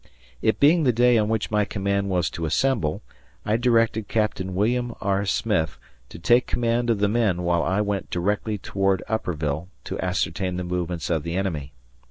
It being the day on which my command was to assemble, I directed Capt. William R. Smith to take command of the men while I went directly toward Upperville to ascertain the movements of the enemy.